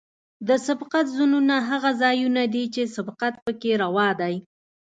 د سبقت زونونه هغه ځایونه دي چې سبقت پکې روا دی